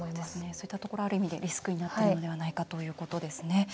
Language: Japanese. そういったところある意味でリスクになっているのではないかということですね。